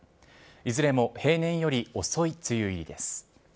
いずれも平年より遅い梅雨入りです。